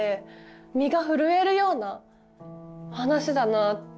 身が震えるような話だなって思いましたね